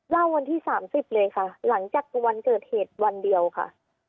วันที่๓๐เลยค่ะหลังจากวันเกิดเหตุวันเดียวค่ะ